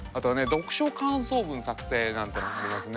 読書感想文作成なんていうのもありますね。